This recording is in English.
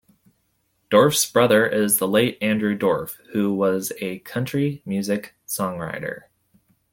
Dorff's brother is the late Andrew Dorff who was a country music songwriter.